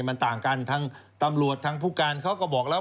มันต่างกันทางตำรวจทางผู้การเขาก็บอกแล้ว